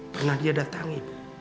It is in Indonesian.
pernah dia datang ibu